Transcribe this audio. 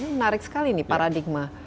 ini menarik sekali nih paradigma